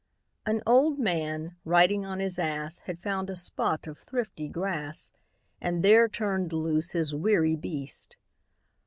An old man, riding on his ass, Had found a spot of thrifty grass, And there turn'd loose his weary beast.